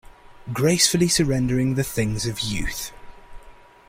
Gracefully surrendering the things of youth.